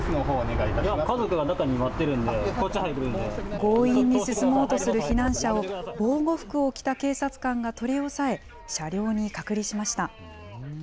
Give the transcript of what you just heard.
強引に進もうとする避難者を、防護服を着た警察官が取り押さえ、車両に隔離しました。